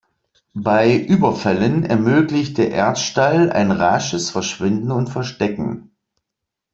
Bei Überfällen ermöglicht der Erdstall ein rasches Verschwinden und Verstecken.